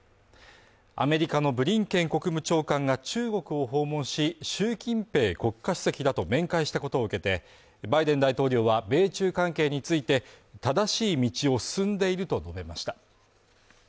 アメリカのブリンケン国務長官が中国を訪問し習近平国家主席らと面会したことを受けて、バイデン大統領は米中関係について正しい道を進んでいると述べました。